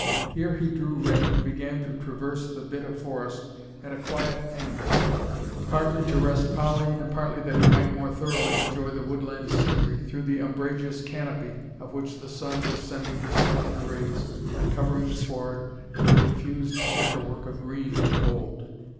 Here he drew rein and began to traverse the bit of forest at a quiet amble, partly to rest Polly, and partly that he might more thoroughly enjoy the woodland scenery through the umbrageous canopy of which the sun was sending his slanting rays and covering the sward with a confused chequer work of green and gold.